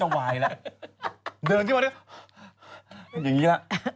เดินใช่ไหมแล้วอย่างนี้แหละ